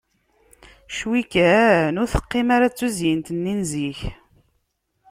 Ccwi kan ur teqqim ara d tuzyint-nni n zik.